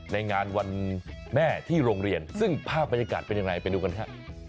ในงานวันแม่ที่โรงเรียนซึ่งภาพบรรยากาศเป็นยังไงไปดูกันฮะ